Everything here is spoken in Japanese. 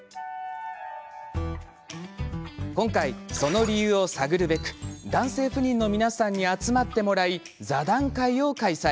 今回、その理由を探るべく男性不妊の皆さんに集まってもらい座談会を開催。